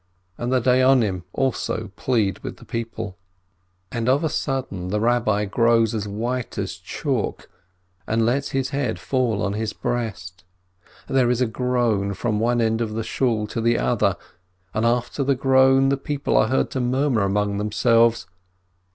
And the Dayonim also plead with the people. THREE WHO ATE 277 And of a sudden the Rabbi grows as white as chalk, and lets his head fall on his breast. There is a groan from one end of the Shool to the other, and after the groan the people are heard to murmur among them selves.